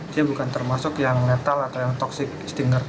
dia bukan termasuk yang metal atau yang toxic stinger